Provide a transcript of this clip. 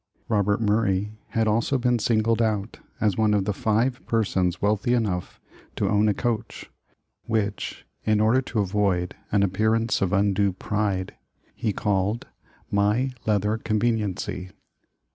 Robert Murray had also been singled out as one of the five persons wealthy enough to own a coach, which in order to avoid an appearance of undue prLle, he called ''my leather conveniency.